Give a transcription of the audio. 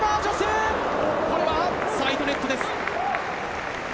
これはサイドネットです。